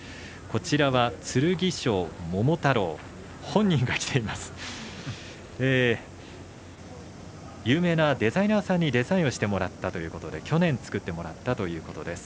こちらは剣翔、ももたろう有名なデザイナーさんにデザインしてもらったということで去年作ってもらったということです。